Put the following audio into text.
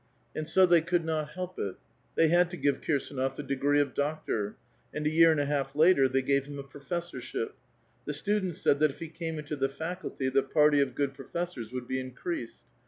And so they could not help it ; they had to give Kirsdnof the degree of doctor ; and a year and a half later they gave him a profes sorship. The students said that if he came into the faculty, the party of good professors would be increased.